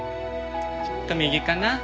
ちょっと右かな？